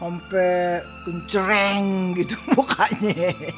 sampai pencereng gitu mukanya